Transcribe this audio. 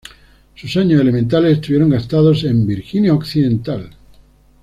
Sus años elementales estuvieron gastados en Virginia Occidental.